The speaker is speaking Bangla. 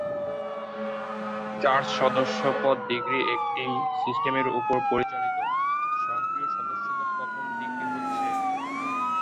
চার্চ সদস্যপদ ডিগ্রী একটি সিস্টেমের উপর পরিচালিত, সক্রিয় সদস্যপদ প্রথম ডিগ্রী হচ্ছে।